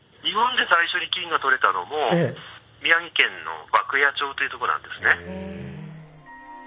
日本で最初に金が採れたのも宮城県の涌谷町というとこなんですね。